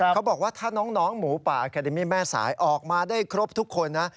เขาบอกว่าถ้าน้องหมูป่าอาคาเดมี่แม่สายออกมาได้ครบทุกคนนะ